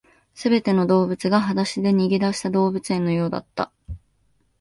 全ての動物が裸足で逃げ出した動物園のようだった